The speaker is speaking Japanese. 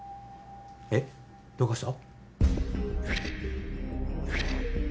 えっ？どうかした？